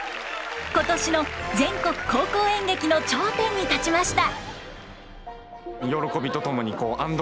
今年の全国高校演劇の頂点に立ちました。